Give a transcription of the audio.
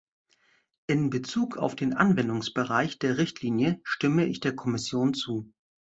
In Bezug auf den Anwendungsbereich der Richtlinie stimme ich der Kommission zu.